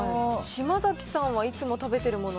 島崎さんはいつも食べてるもの。